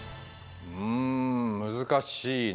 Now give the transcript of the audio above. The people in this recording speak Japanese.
うん難しいな。